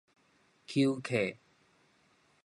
搝客